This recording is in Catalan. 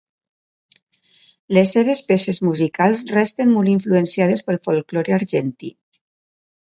Les seves peces musicals resten molt influenciades pel folklore argentí.